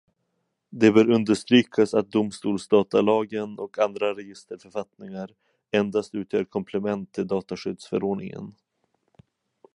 Det bör understrykas att domstolsdatalagen och andra registerförfattningar endast utgör komplement till dataskyddsförordningen.